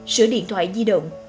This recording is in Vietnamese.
sửa điện thoại di động